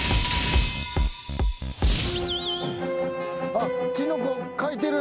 あっキノコ書いてる。